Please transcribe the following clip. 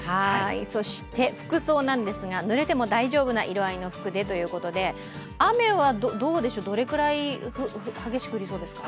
そして、服装ですが、ぬれても大丈夫な色合いの服でということで雨はどうでしょう、どれくらい激しく降りそうですか？